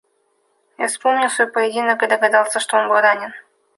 Я вспомнил свой поединок и догадался, что был ранен.